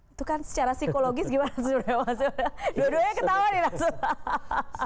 itu kan secara psikologis gimana mas ube dua duanya ketawa nih mas ube